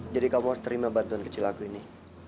jadi kamu harus terima bantuan kecil aku ini